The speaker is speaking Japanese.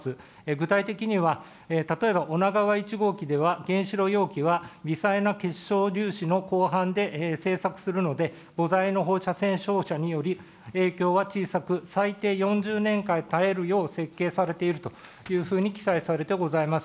具体的には、例えば、女川１号機では、原子炉容器は微細な結晶粒子の鋼板で製作するので、の放射線照射により影響は小さく、最低４０年間耐えるよう設計されているというふうに記載されてございます。